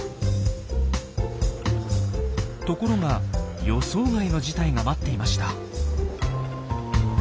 ところが予想外の事態が待っていました。